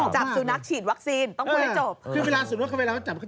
จับซูนับฉีดว็อกซีนต้องพูดให้จบ